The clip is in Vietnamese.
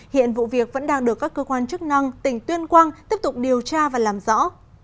hiện vụ việc vẫn đang được các cơ quan chức năng tỉnh tuyên quang tiếp tục điều tra và làm rõ